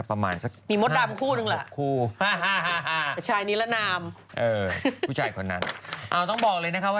กลัวว่าผมจะต้องไปพูดให้ปากคำกับตำรวจยังไง